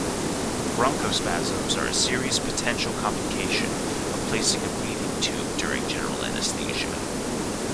Bronchospasms are a serious potential complication of placing a breathing tube during general anesthesia.